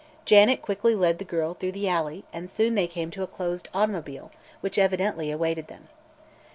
Janet quickly led the girl through the alley and soon they came to a closed automobile which evidently awaited them.